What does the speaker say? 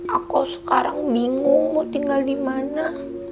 aku sekarang bingung mau tinggal di mana